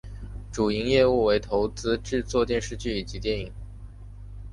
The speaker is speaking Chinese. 主营业务为投资制作电视剧以及电影。